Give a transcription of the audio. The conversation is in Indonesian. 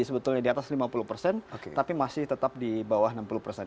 sebetulnya di atas lima puluh persen tapi masih tetap di bawah enam puluh persen